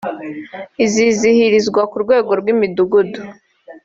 izizihirizwa ku rwego rw’Imidugudu